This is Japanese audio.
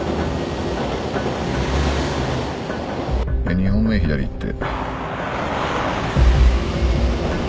２本目左行って。